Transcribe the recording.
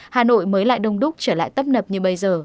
hà nội mới lại đông đúc trở lại tấp nập như bây giờ